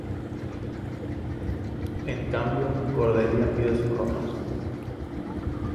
En cambio, Cordelia le pide su ropa.